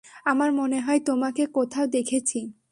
আমার মনে হয় তোমাকে কোথাও দেখেছি।